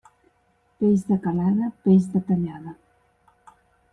Peix de calada, peix de tallada.